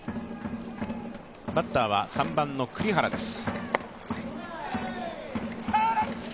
バッターは３番の栗原です。